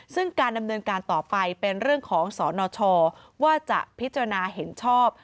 ซึ่งการดำเนินการต่อไปเป็นเรื่องของสนชว่าจะพิจารณาเห็นชอบ